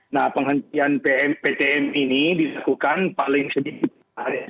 nah penghentian ptm ini dilakukan paling sedikit